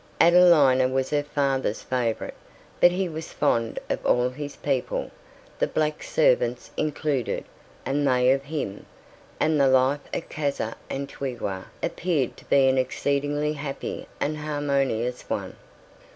Adelina was her father's favourite, but he was fond of all his people, the black servants included, and they of him, and the life at Casa Antigua appeared to be an exceedingly happy and harmonious one.